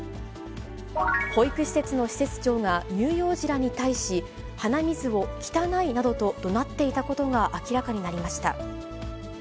保育施設の施設長が、乳幼児らに対し、鼻水を汚いなどとどなっていたことが明らかになりました。